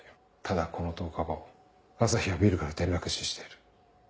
ただこの１０日後朝陽はビルから転落死している。